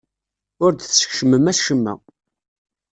Ur d-teskecmem acemma.